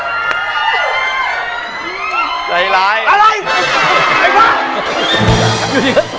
พี่ป๋องใจร้ายมาก